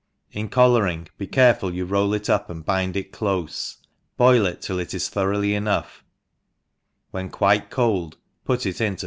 — In collaring, be careful you roll it up, and bind it clofe, boil it till it is thoroughly enough, when quite cold put it into